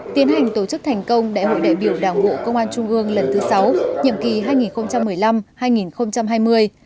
tiến hành tổ chức thành công đại hội đại biểu đảng bộ công an trung ương lần thứ sáu nhiệm kỳ hai nghìn một mươi năm hai nghìn hai mươi